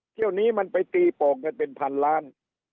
เที่ยวนี้มันไปตีโป่งกันเป็นพันล้าน